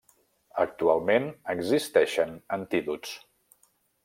Actualment existeixen antídots.